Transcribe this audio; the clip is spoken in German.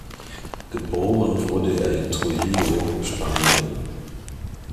Geboren wurde er in Trujillo, Spanien.